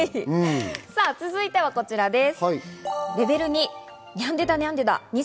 続いてはこちらです。